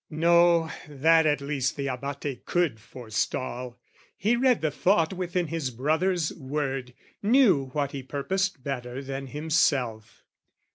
No, that at least the Abate could forestall. He read the thought within his brother's word, Knew what he purposed better than himself.